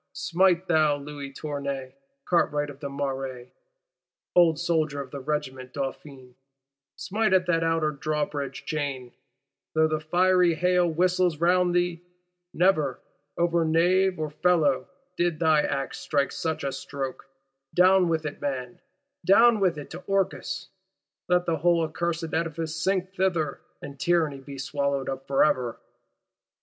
Smite, thou Louis Tournay, cartwright of the Marais, old soldier of the Regiment Dauphine; smite at that Outer Drawbridge chain, though the fiery hail whistles round thee! Never, over nave or felloe, did thy axe strike such a stroke. Down with it, man; down with it to Orcus: let the whole accursed Edifice sink thither, and Tyranny be swallowed up for ever!